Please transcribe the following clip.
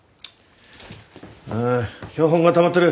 あ標本がたまってる。